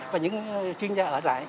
và những chuyên gia ở lại